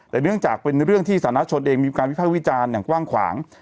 แต่เนื่องจากเป็นเรื่องที่สาธารณชนเองมีการวิภาควิจารณ์อย่างกว้างขวาง